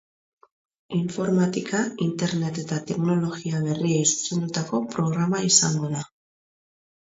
Informatika, internet eta teknologia berriei zuzendutako programa izango da.